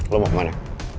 lo mau kemana